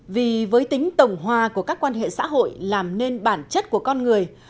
vì với tính tổng hòa của các quan hệ xã hội làm nên bản chất của con người